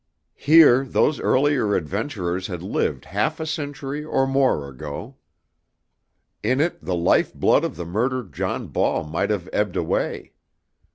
Here those earlier adventurers had lived half a century or more ago. In it the life blood of the murdered John Ball might have ebbed away.